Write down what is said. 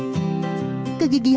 kegigihan daim pun tidak terlalu besar